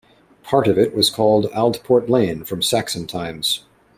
Part of it was called Aldport Lane from Saxon times.